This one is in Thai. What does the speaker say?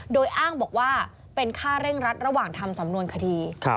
โดยอ้างบอกว่าเป็นค่าเร่งรัดระหว่างทำสำนวนคดี